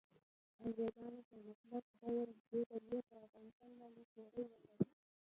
انګریزانو په مطلق ډول بې دلیله پر افغانستان باندې تیری وکړ.